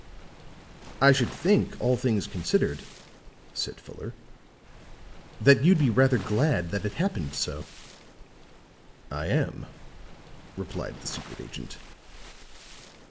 "I should think, all things considered," said Fuller, "that you'd be rather glad that it happened so." "I am," replied the secret agent.